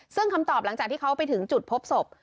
ซึ่งคำตอบหลังจากที่เขาไปถึงจุดพบศพ